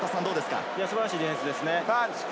素晴らしいディフェンスです。